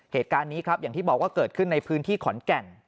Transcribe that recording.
เหตุการณ์นี้ครับอย่างที่บอกว่าเกิดขึ้นในพื้นที่ขอนแก่น